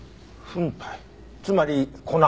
つまり粉？